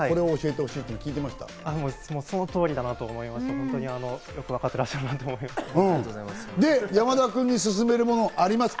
もうその通りだなと思いまして、本当にわかってらっしゃるなと思いました。